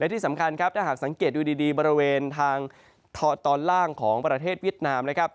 ที่สำคัญครับถ้าหากสังเกตดูดีบริเวณทางตอนล่างของประเทศเวียดนามนะครับ